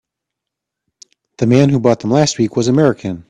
The man who bought them last week was American.